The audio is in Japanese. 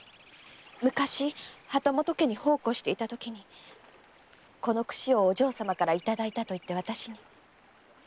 昔旗本家に奉公していたときにこの櫛をお嬢様からいただいたと言って私に。